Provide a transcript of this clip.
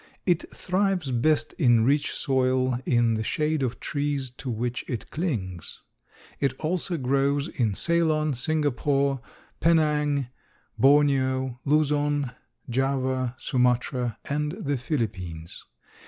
It thrives best in rich soil in the shade of trees to which it clings. It also grows in Ceylon, Singapore, Penang, Borneo, Luzon, Java, Sumatra and the Philippines.